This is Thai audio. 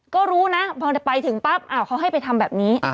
ก็รู้นะพอไปถึงปั๊บเขาให้ไปทำแบบนี้